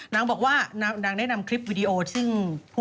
นางบอกว่านางได้นำคลิปวิดีโอซึ่ง